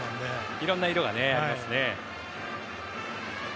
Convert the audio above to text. いろんな色がありますね。